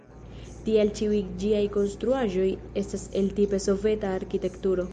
Tial ĉiuj ĝiaj konstruaĵoj estas el tipe soveta arkitekturo.